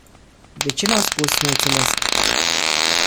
De ce nu ați spus "mulțumesc”?